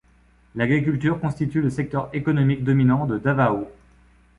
L'agriculture constitue le secteur économique dominant de Davao.